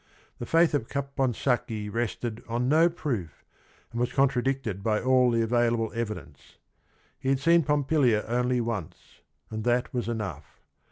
The faith of Capon sacchi rested on no proof, and was contradicted by all the available evidence. He had seen Pompilia only once, and that was enough.